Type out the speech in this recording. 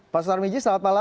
pak sutar miji selamat malam